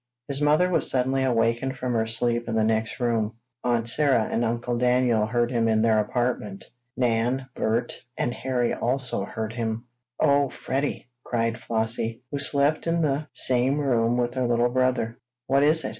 His mother was suddenly awakened from her sleep in the next room. Aunt Sarah and Uncle Daniel heard him in their apartment. Nan, Bert and Harry also heard him. "Oh, Freddie!" cried Flossie, who slept in the same room with her little brother. "What is it?